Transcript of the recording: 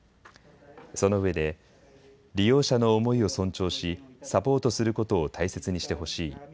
そのうえで、利用者の思いを尊重しサポートすることを大切にしてほしい。